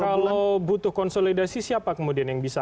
kalau butuh konsolidasi siapa kemudian yang bisa